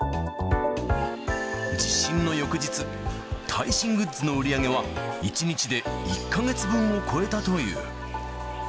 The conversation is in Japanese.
地震の翌日、耐震グッズの売り上げは、１日で１か月分を超えたという。